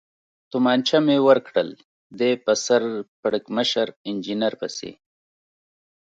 تومانچه مې ورکړل، دی په سر پړکمشر انجنیر پسې.